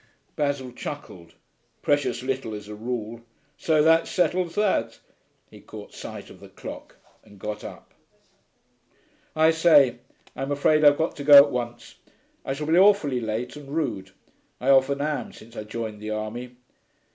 Basil chuckled. 'Precious little, as a rule.... So that settles that.' He caught sight of the clock and got up. 'I say, I'm afraid I've got to go at once. I shall be awfully late and rude. I often am, since I joined the army.